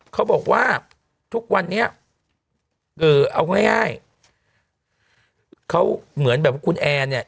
เขาบอกว่าทุกวันนี้เอ่อเอาง่ายเขาเหมือนแบบว่าคุณแอร์เนี่ย